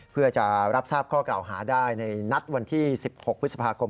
เพื่อจะรับทราบข้อกล่าวหาได้ในนัดวันที่๑๖พฤษภาคม